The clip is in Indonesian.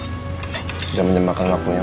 udah menjembatkan waktunya